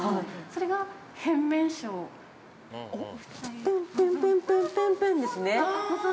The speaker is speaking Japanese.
◆プンプン、プンプン、プンプンですね。